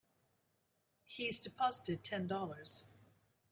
He's deposited Ten Dollars.